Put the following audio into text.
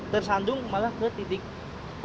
tersandung malah ke titik